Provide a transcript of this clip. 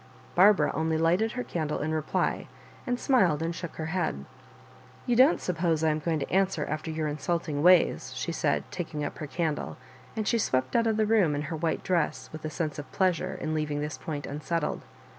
Barbara only lighted her caudle in reply, and smiled and shook her head. "You don't suppose I am going to answer after your insulting ways," she said, taking up her candle ; and she swept out of the room in her white dress with a sense of pleasure in leaving this point unsettled.